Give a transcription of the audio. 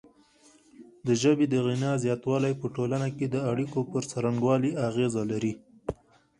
د ژبې د غنا زیاتوالی په ټولنه کې د اړیکو پر څرنګوالي اغیزه لري.